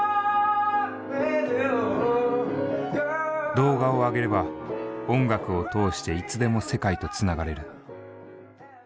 動画をあげれば音楽を通していつでも世界とつながれる。